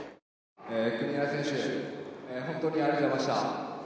国枝選手、本当にありがとうございました。